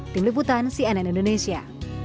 tim liputan cnn indonesia